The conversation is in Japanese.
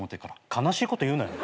悲しいこと言うなよ。